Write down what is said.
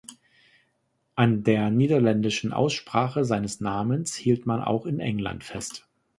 An der niederländischen Aussprache seines Namens hielt man auch in England fest.